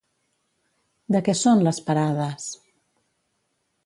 De què són, les parades?